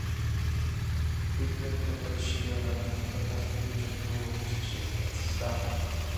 Бид нэг худаг шинээр гаргаж, дотор талд нь чулуу өрж хашаалан янзаллаа.